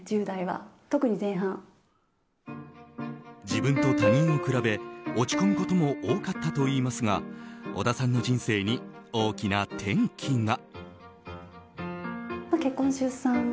自分と他人を比べ落ち込むことも多かったといいますが小田さんの人生に大きな転機が。